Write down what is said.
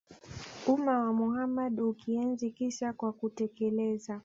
umma wa Muhammad Hukienzi kisa kwa kutekeleza